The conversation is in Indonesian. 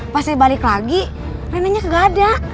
pas saya balik lagi neneknya gak ada